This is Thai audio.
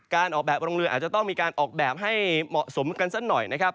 การออกแบบโรงเรืออาจจะต้องมีการออกแบบให้เหมาะสมกันสักหน่อยนะครับ